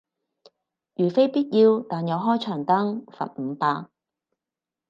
如非必要但又長開燈，罰五百